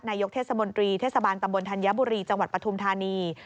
นายกเทศมนตรีเทศบาลตำบลธัญบุรีจังหวัดปฐุมธานี